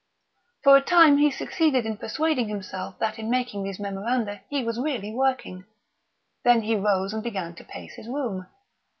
For a time he succeeded in persuading himself that in making these memoranda he was really working; then he rose and began to pace his room.